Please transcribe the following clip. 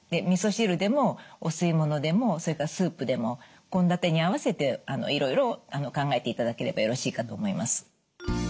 みそ汁でもお吸い物でもそれからスープでも献立に合わせていろいろ考えていただければよろしいかと思います。